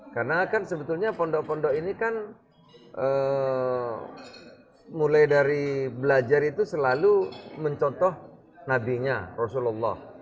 karena kan sebetulnya pondok pondok ini kan mulai dari belajar itu selalu mencontoh nabinya rasulullah